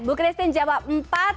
bu christine jawab empat